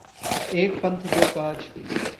एक पंथ दो काज।